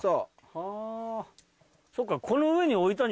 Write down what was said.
はぁそっか。